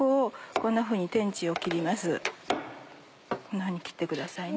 こんなふうに切ってくださいね。